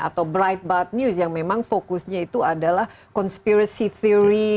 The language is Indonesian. atau breitbart news yang memang fokusnya itu adalah conspiracy theory